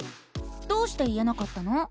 どうして言えなかったの？